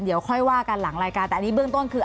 เดี๋ยวค่อยว่ากันหลังรายการแต่อันนี้เบื้องต้นคือ